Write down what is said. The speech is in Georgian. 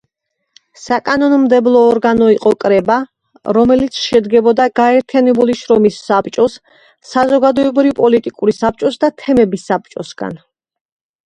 საკანონმდებლო ორგანო იყო კრება, რომელიც შედგებოდა გაერთიანებული შრომის საბჭოს, საზოგადოებრივ-პოლიტიკური საბჭოსა და თემების საბჭოსაგან.